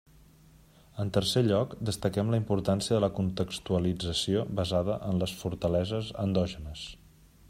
En tercer lloc, destaquem la importància de la contextualització basada en les fortaleses endògenes.